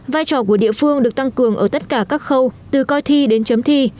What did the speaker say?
vai trò của địa phương được tăng cường ở tất cả các khâu từ coi thi đến chấm thi